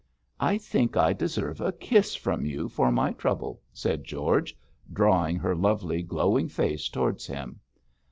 'I think I deserve a kiss from you for my trouble,' said George, drawing her lovely, glowing face towards him.